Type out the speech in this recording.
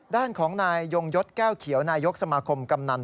ด้านของนายยงยศแก้วเขียวนายกสมาคมกำนัน